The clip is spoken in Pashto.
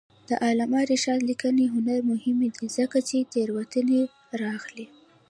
د علامه رشاد لیکنی هنر مهم دی ځکه چې تېروتنې رااخلي.